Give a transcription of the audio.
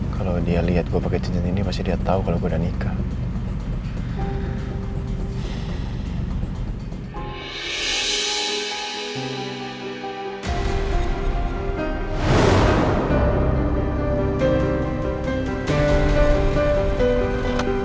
kalau dia lihat gue pakai cincin ini pasti dia tahu kalau gue udah nikah